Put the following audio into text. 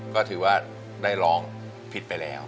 ก็ถือว่าได้ร้องผิดไปแล้ว